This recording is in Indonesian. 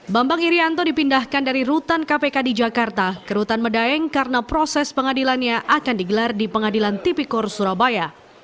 bambang irianto dipindahkan dari rutan kpk di jakarta ke rutan medaeng karena proses pengadilannya akan digelar di pengadilan tipikor surabaya